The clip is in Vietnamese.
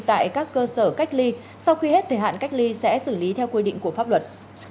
tại các cơ sở cách ly sau khi hết thời hạn cách ly sẽ xử lý theo quy định của pháp luật